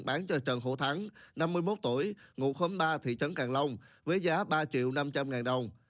bán cho trần phổ thắng năm mươi một tuổi ngụ khóm ba thị trấn càng long với giá ba triệu năm trăm linh ngàn đồng